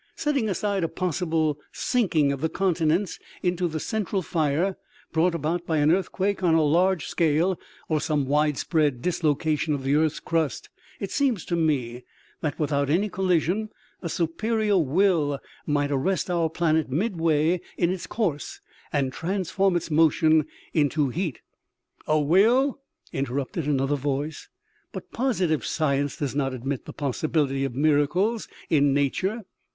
" Setting aside a possible sinking of the continents into the central fire, brought about by an earthquake on a large scale, or some widespread dislocation of the earth's crust, it seems to me that, without any collision, a superior will might arrest our planet midway in its course and transform its motion into heat." "A will?" interrupted another voice. "But positive science does not admit the possibility of miracles in nature."